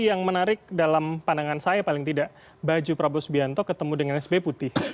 yang menarik dalam pandangan saya paling tidak baju prabowo subianto ketemu dengan sby putih